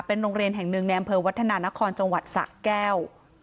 เป็นโรงเรียนแห่งหนึ่งในอำเภอวัฒนานครจังหวัดสะแก้ว